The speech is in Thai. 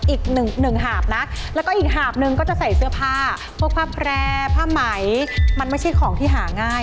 อีกหนึ่งหาบนะแล้วก็อีกหาบนึงก็จะใส่เสื้อผ้าพวกผ้าแพร่ผ้าไหมมันไม่ใช่ของที่หาง่าย